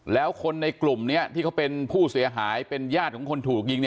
แล้วคนในกลุ่มนี้ที่เขาเป็นผู้เสียหายเป็นญาติของคนถูกยิง